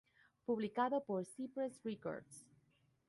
Publicado por Cypress Records.